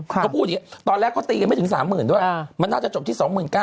เขาพูดอย่างนี้ตอนแรกเขาตีกันไม่ถึง๓๐๐๐ด้วยมันน่าจะจบที่๒๙๐๐